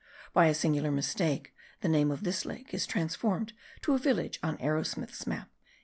By a singular mistake, the name of this lake is transformed to a village on Arrowsmith's map.)